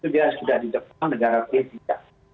bahkan sudah di jepang negara politika